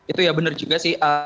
itu ya benar juga sih